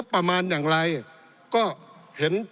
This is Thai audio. ปี๑เกณฑ์ทหารแสน๒